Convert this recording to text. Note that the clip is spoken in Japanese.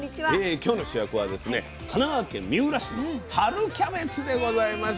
今日の主役はですね神奈川県三浦市の春キャベツでございます。